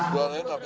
di luar ini